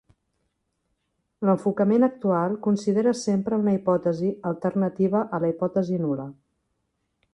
L'enfocament actual considera sempre una hipòtesi alternativa a la hipòtesi nul·la.